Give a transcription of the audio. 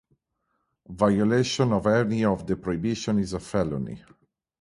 Violation of any of the prohibitions is a felony.